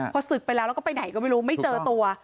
พอศึกไปแล้วแล้วก็ไปไหนก็ไม่รู้ไม่เจอตัว